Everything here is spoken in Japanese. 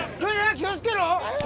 気を付けろ！